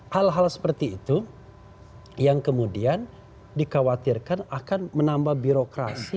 hal hal seperti itu yang kemudian dikhawatirkan akan menambah birokrasi